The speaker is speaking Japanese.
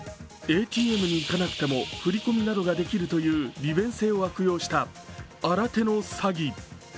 ＡＴＭに行かなくても振り込みなどができるという利便性を悪用した新手の詐欺。